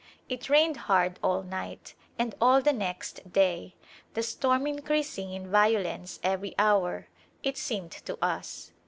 It rained hard all night and all the next day, the storm increasing in violence every hour, it seemed to us.